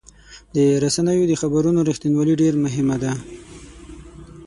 د رسنیو د خبرونو رښتینولي ډېر مهمه ده.